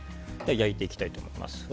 焼いていきたいと思います。